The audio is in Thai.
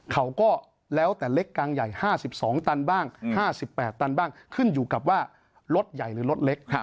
เขาก็แล้วแต่เล็กกลางใหญ่๕๒ตันบ้าง๕๘ตันบ้างขึ้นอยู่กับว่ารถใหญ่หรือรถเล็ก